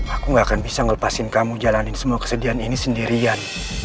aku gak akan bisa melepaskan kamu jalanin semua kesedihan ini sendirian